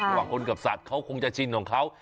ระหว่างคนกับสัตว์เขาคงจะชินของเขา